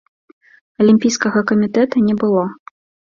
Алімпійскага камітэта не было.